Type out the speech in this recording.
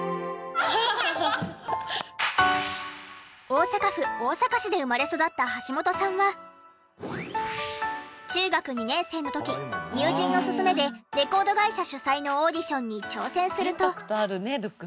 大阪府大阪市で生まれ育った橋本さんは中学２年生の時友人の勧めでレコード会社主催のオーディションに挑戦すると。